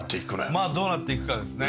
まあどうなっていくかですね。